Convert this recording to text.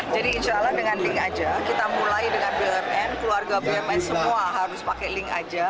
jadi insya allah dengan link aja kita mulai dengan bumn keluarga bumn semua harus pakai link aja